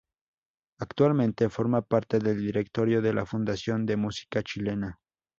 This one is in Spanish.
Actualmente forma parte del Directorio de la Fundación de la Música Chilena.